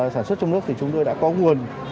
sản xuất trong nước thì chúng tôi đã có nguồn